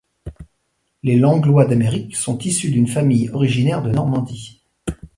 Les Langlois d'Amérique sont issus d'une famille originaire de Normandie.